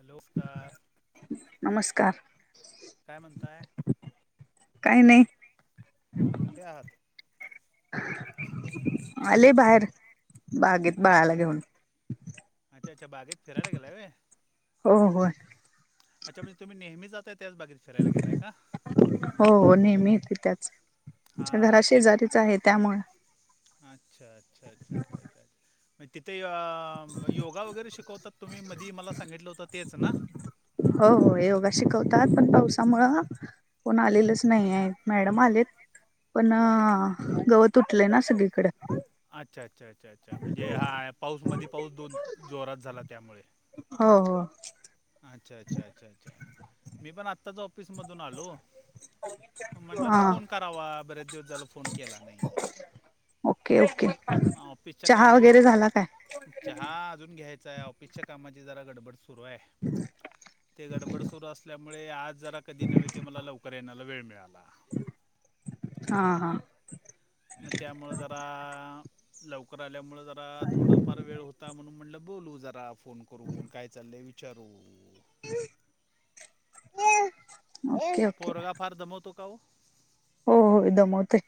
ह लोस्कार नमस्कार काय म्हणताय काही नाही कुठे आहात आले बाहेर बागेत बाळाला घेऊन अच्छा अ्छा बागेत फियलाेलाये हो हो अच्छाणजे तुम् नेहमी जात त्याचगेत फियला गेलाय का हो नेहमीेत त्याच हा आमच्या घरा ते शेजारीच आहे त्यामुळे अच्छा अच्छा अच्छा अच्छ अ्छ्छ तिथे योगा वगैरे शिकवतात तुम्ही मधी मला सांगितलं होतं तेच ना हो योगा शिकवतात पण पावसामुळं कोण आलेलच नाही आहे मॅडम आलेत पण गवत उटलंय ना सगळीकडे अच्छा अच्छा अच्छा अच्छा म्हणजे हा पाऊस मध पाऊस दोन जोरात झाला त्यामुळे हो हो अच्छा अच्छा अच्छा अच्छा मी पण आत्ताच ऑफिसमधून आलो म्हटलं हा फोन करावा बर्याच दिवस झाला फोन केला नाही ओके ओके ऑफिसच्या चहा कामाचे वगैरे झाला काय चहा अजून घ्यायचा आहे ऑफिसच्या कामाची जरा गडबड सुरू आहे हम् ते गडबड सुरू असल्यामुळे आज जरा कधी नव्हे ते मला लवकर येण्याला वेळ मिळाला हा हा मग त्यामुं जरा लवकर आल्यामुं जरा थोडफार वेळ होता म्हणून म्हणलं बोलू जरा फोन करून काय चाललंय विच चारू ओके ओके पोरगा फार दमवतोका हो होय दमवतय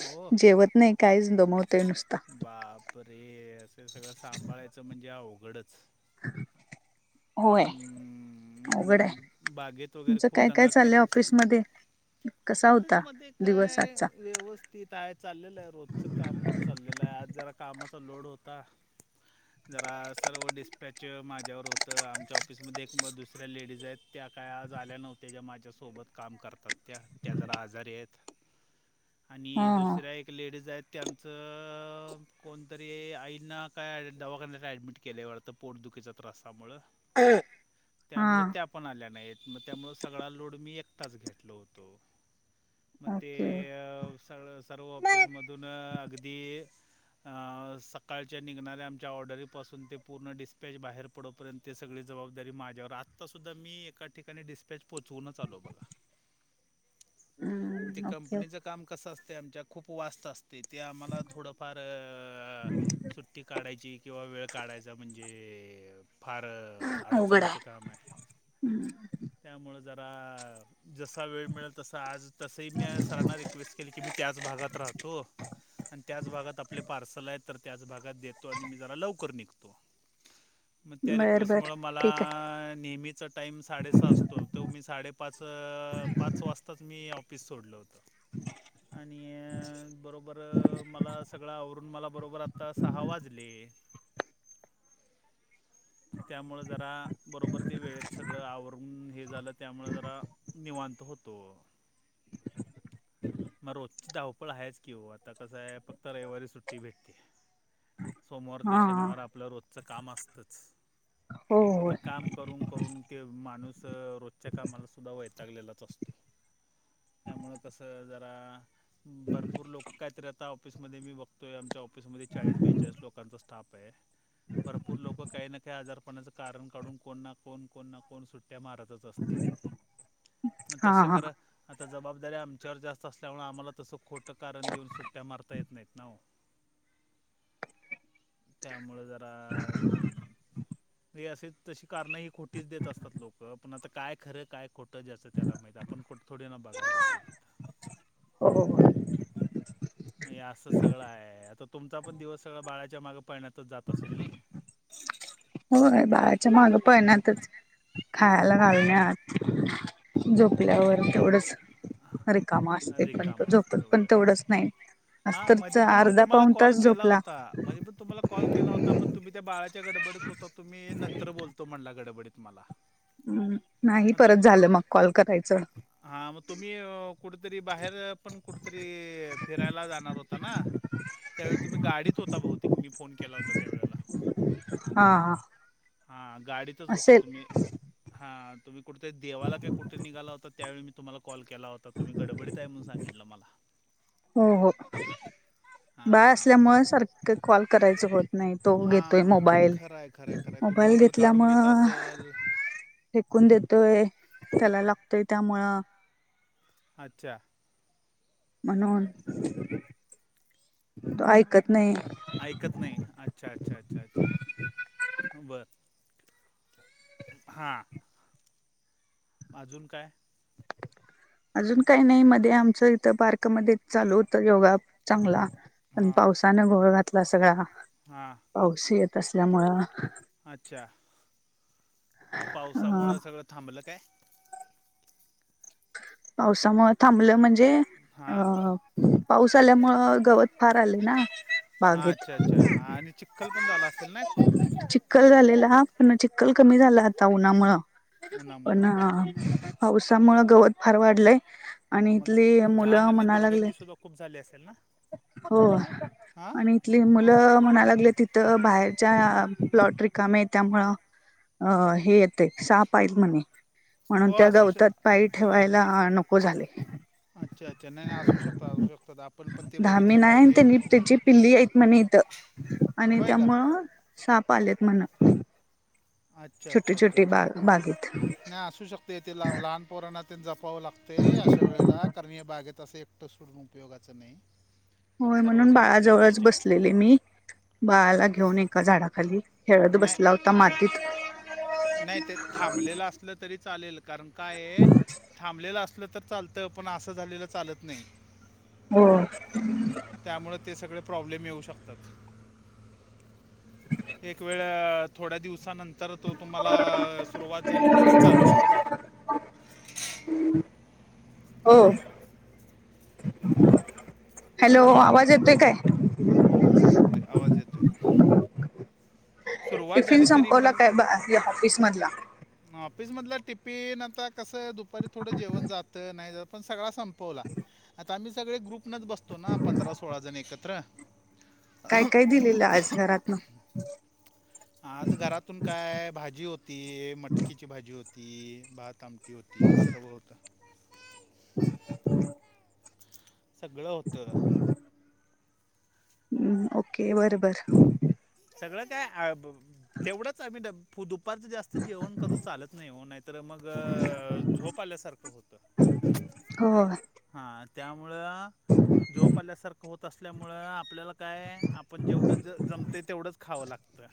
हो जेवत नाही काहीच दमवतय नुसता बाप रे असं सगळं सांभाळायचं म्हणजे अवघडच होय अघड आहे हम्म, बागेत वगैरे तुमचं खूप काय काय दंगा चाललंय करत ऑफिसमध्येध्ये कसा होता दिवस आजचा तिथ आहे चाललेलं आहे रोजचं काम चाललेलं आहे आज जरा कामाचा लोड होता जरा सर्व डिस्पॅच माझ्यावर होतं आमच्या ऑफिसमध्ये एक म दुसऱ्या लेडीज आहेत त्या काय आज आल्या नव्हत्या ज्या माझ्यासोबत काम करतात त्या त्या जरा आजारी आहेत हा आणि हा. दुसऱ्या एक लेडीज आहेत त्यां कोणतरी आईंना काय ॲ दवाखान्या काय ॲडमिट केल्यावरत पोटदुखीचा त्रासामुळे हा त्यामुळे त्या पण आल्या नाहीत मग त्यामुळ सगळा लोड मी एकताच घेतलो होतो मग ते ओके स सर्व ऑफिसमधून अगदी सकाळच्या निघणाऱ्या आमच्या ऑर्डरीपासून ते पूर्ण डिस्पॅच बाहेर पड डोपर्यंत ते सगळी जबाबदारी माझ्यावर आत्ता सुद्धा मी एका ठिकाणी डिस्पॅच पोहोवूनच आलो बघा ते हम्म ओके कंपनीच ओके. काम कस असत आमच्या खूप वास्त असते ते आम्हाला थोडंफार सुट्टी काढायची किंवा वेळ काढायचा म्हणजे फार अ अडचणीचं काम आहे त्यामुळं जरा जसा वेळ मिळेल तसा आज तसंही मी आज सरांना रिक्वेस्ट केली की मी त्याच भागात राहतो आणि त्याच भागात आपले पार्सल आहेत तर त्याच भागात देतो आणि मी जरा लवकर निघतो म त्या बर बर रिक्वेस्टमुळं मला.. ठीक आहे. नेहमी च टाईम साडेसहा असतो तो मी साडेपाच अ पाच वाजताच मी ऑफिस सोडलो होतं आणि अ बरोबर बरं मला सगळं आवरून मला बरोबर आत्ता सहा वाजले त्यामुळे जरा बरोबर ते वेळेत सगळं आवरून हे झालं त्यामुळ जरा निवांत होतो म रोजची धावपळ आहेच की ओ आता कसं आहे फक्त रविवारी सुट्टी भेटते सोमवार ते हा शनिवार आपलं रोजचं काम असतच हो आता होय. काम करून करून के माणूस अ रोजच्या कामाला सुद्धा वैतागलेलाच असतो त्यामुळं कसं जरा भरपूर लोक कायतरी आता ऑफिसमध्ये मी बघतोय आमच्या ऑफिसमध्ये चाळीस बेचाळीस लोकांचा स्टाफ आहे भरपूर लोक काही ना त्या आजारपणाचं कारण काढून कोणना कोण कोण ना कोण सुट्ट्या मारतच असतय मग हा तसं हा करा आता जबाबदारी आमच्यावर जास्त असल्यामूळ आम्हाला तसं खोटं कारण देऊन सुट्ट्या मारता येत नाहीत ना हो त्यामुळं जरा अम.. रे असे तशी कारणं ही खोटीच देत असतात लोकं पण आता काय खरं काय खोटं ज्याचं त्याला माहित आपण कुठ थोडीना ना बघाय जातो तिथं हो [inaudible] म हे असं सगळं आहे आता तुमचा पण दिवस सगळा बाळाच्या मागं पळण्यातच जात असेल नी होय बाळाच्या माग पण्याततच खायला घालन्यात झोपल्यावर तेवढंच रिकम हा, असतय पण तर झोपत पण तेवढंच नाही आज हा तर मधी पण मी अर्धा तुम्हाला पाऊन कॉल तास केला झोपला. होता मधी पण तुम्हाला कॉल केला होता पण तुम्ही त्या बाळाच्या गडबडीत होता तुम्ही नंतर बोलतो म्हणला गडबडीत मला हम् नाही परत झालं मग कॉल करायचं हा मग तुम्ही अ कुठेतरी बाहेर पण कुठतरी फिरायला जाणार होता ना त्यावेळी तुम्ही गाडीत होता बहुतेक मी फोन केला होता त्यावेळेला हा हा हा हा गाडीतच होता असेल तुम्ही हा तुम्ही कुठेतरी देवाला का काय कुठे निघाला होता त्यावेळी मी तुम्हाला कॉल केला होता आता तुम्ही गडबडीत आहे म्हणून सांगितला मला हो हो. बाळ हां, असल्यामुळे सारखं कॉल करायचं होत नाही तो घेतोय हां. मोबाईल खरं आहे, खरं आहे, खरं आहे. तू मोबाईल काढून घेत घेतल्यामूळ असेल. फेकून देतोय त्याला लागतोय त्यामुळं अच्छा म्हणून तो ऐकत नाही. ऐकत नाही अच्छा-अच्छा-अच्छा-अच्छा हा बर हा अजून काय अजून काही नाही मध्ये आमचं इथं पार्कमध्ये चालू होत योगा चांगला पण हां, पावसाने घोळ घातला सगळा हां. पाऊस येत असल्यामुळं अच्छा म अ पावसामुळं सगळं थांबलं काय? पावसामुळे थांबलं म्हणजे हां अ पाऊस आल्यामुळं गवत फार आलं ना. हा, बागेत अच्छा अच्छा! हा आणि चिखल पण झाला असेल ना खूप. चिखल झालेला, पण चिखल कमी झालाय आता उन्हामुळं उन्हामुळं पण अच्छा पावसामुळ गवत फार वाढलंय हां आणि इथली मग घाण मुलं आणि म्हणा लागल्यांत दुर्गंधीसुद्धा खूप झाली असेल ना हो हां आणि इथली मुलं म्हणा लागलेत तिथं बाहेरच्या प्लॉट रिकामे त्यामुळ अ हे येतय साप आहेत म्हणे म्हणून हो त्या असू श गवतात पाय ठेवायला नको झालय अच्छा अच्छा! नाही नाही असू शकतात असू शकतात, आपण पण ते धामी बघितलं नाही पाहिजे. त्यांनी त्याची पिल्ली हायत म्हणे इथं, आणि होय का त्यामुळं साप आलेत म्हण. अच्छा छोटी अच्छा अच्छा छोटी अच्छा! बाग बागेत नाही असू शकत. ते तिला लहान पोरांना जपाव लागतयं, अशा वेळेला कारण हे बागेत असे तसं सोडून उपयोगाचं नाही. होय, सर्व म्हणून बाळा बघितलं जवळच पाहिजे बसले. मी बाळाला घेऊन एका झाडाखाली खेळत नाही बसला होता मातीत. नाही ते थांबलेलं असलं तरी, चालेल कारण काय ये थांबलेलं असलं तर चालतं, पण असं झालेलं चालत नाही. होय. त्यामुळे ते सगळे प्रॉब्लेम येऊ शकतात. [unintelligible] एक वेळ थोड्या दिवसा नंतर तो तुम्हाला सुरुवात झाली तरी चालू शकत. हो. हॅलो! आवाज येतोय काय? ते आवाज येतोय. सुरुवात टिफिन झाली तरी संपवला काय आ या ऑफिस मधला. ऑफिस मधलं टिपिन, आता कसं दुपारी थोडं जेवण जात नाही जात, पण सगळा संप संपवला. आता आम्ही सगळे ग्रुपनंच बसतो ना, पंधरा सोळाजण एकत्र. काय काय दिलेलं आज घरातन? आज घरातून काय भाजी होती. मटकीची भाजी होती. भात आमटी होती, सर्व होतं. [inaudible] सगळं होतं. ओके, बर बर. सगळं काय आ ब तेवढंच आमी डब फू दुपारचं जास्त जेवण करून चालत नाही ओ, नाहीतर मग झोप आल्यासारखं होत. [inaudible] हो. हा त्यामुळं झोप आल्यासारखं हो तसल्यामुळं, आपल्याला काय आपण जेवढं ज जम ते तेवढंच खावं लागतं.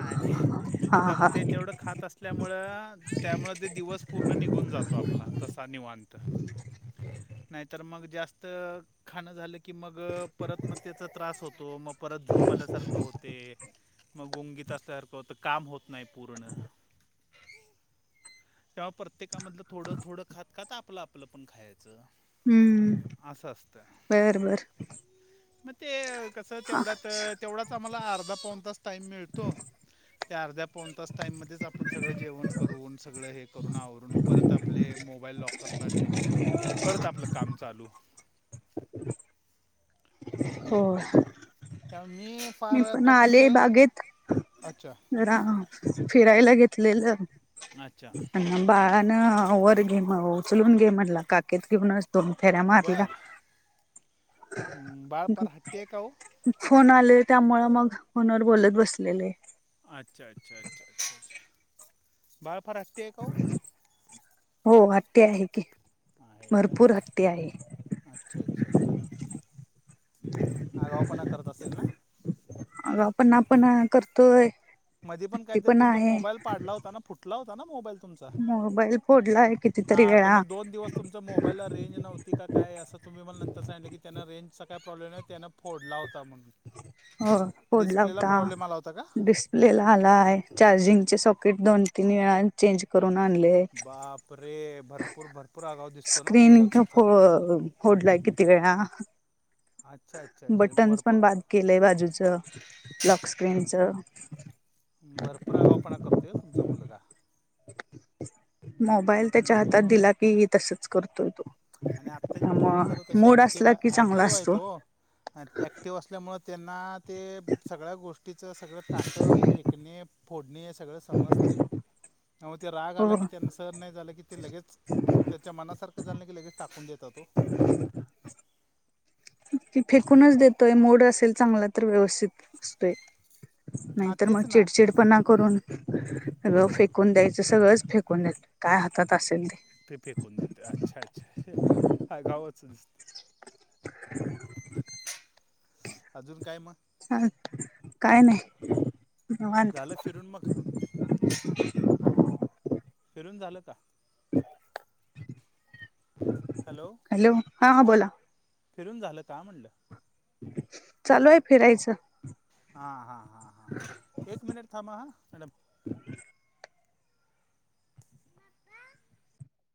आणि हा हा जमतय तेवढं खात असल्यामुळं, त्यामुळे तो दिवस पूर्ण निघून जातो, आपला तसा निवांत. नाहीतर मग, जास्त खाण झाल की मग परत म त्याचा त्रास होतो. मग परत झोप आल्यासारखं होते. मग गुंगीत असल्यासारखं होत. काम होत नाही पूर्ण. तेव्हा प्रत्येकामधलं थोडं थोडं खात खात, आपलं आपलं पण खायचं. हम्म, असं असतं बरं बरं. मग ते कसं तेवढ्यात तेवढाच आम्हाला अर्धा पाऊन तास टाईम मिळतो. त्या अर्ध्या पाोण तास टाईममध्येध्येच आपण सगळे जेवण करून सगळं हे करून आवरून परत आपले मोबाईल लॉकरला ठेवून परत आपलं काम चालू हो च म पार मी पण तकस आले बागेत जरा फिरायला घेतलेलं अच्छा बाळान वर घे म्ह- उचलून घे म्हणला, काकेत घेऊनच दोन फेऱ्या मारल्या. बर हम्म, बाळ फार हट्टी आहे का हो फोन आले त्यामुळं, मग फोनवर बोलत बसलेले. अच्छा अच्छा अच्छा अच्छा अच्छा! बाळ फार हट्टी आहे का ओ? हो, हट्टी आहे की. ह आहे भरपूर हट्टी आहे अच्छा अच्छा अच्छा अ्छ हा गा पणा करत असेल ना अग पण आपण करतोय मध्येी पण हट्टी काहीतरी तुमचा आहे मोबाईल पाडला होता फुटला होता ना मोबाईल द मोबाईल फोडलाय कितीतरी वेळा रेंज नव्हती काय असं तुम्ही मला नंतर सांगलं की त्यांना रेंजचा काय प्रॉब्लेम आहे त्याना फोडला होता म्हणून हो होडला डिस्प्लेला प्रॉब्लेम आला होता का होतास लेला आला आहे चार्जिंगचे सॉकेट दोन तीन वेळा चेंज करून आणले बाप रे भरपूर भरपूर आगाव दिसतो ना मुलगा स्क्रीन का तुमचा होडला किती वेळा अच्छा अच्छा अच्छा इमबरपूर केलेय बाजूचं लक स्क्रीनचं भरपूर आगापणा करतो आहे तुमचा मुलगा मोबाईल त्याच्या हातात दिला की तसच करतोय तो आणि आत्ताची पोरं त्यामुळं जरा तशी मूड ऍक्टिव्ह असला की चांगला ऍक्टिव्ह आहेत असतो तो ऍक्टिव्ह अस असल्यामुळे त्यांना ते सगळ्या गोष्टीचं सगळं टाकं फेकणे फोडणे [inaudible] हो सर नाही झालं की ते लगेच त्याच्या मनासारखं झालं नाही की लगेच टाकून देत तो की फेकूनच देतोय मोड असेल चांगला तर व्यवस्थित असतोय हां नाहीतर मग तेच ना चिडचिडपणा करून सगळ बरोबर फेकून द्यायचं सगळंच फेक को काय हातात असेल ते ते पे करून देते अच्छा अच्छाछ हा गावांच अजून काय मग चा काय नाही वात झालं फिरून मग फिरून झालं का [inaudible] हॅलो हॅलो हां हां बोला फिरून झालं का म्हणलं चालू आहे फिरायचं हां हां हां हां एक मिनट थ म मॅडम